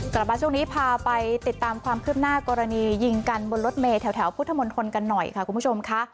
กลับมาช่วงนี้พาไปติดตามความคืบหน้ากรณียิงกันบนรถเมย์แถวพุทธมนตรกันหน่อยค่ะคุณผู้ชมค่ะ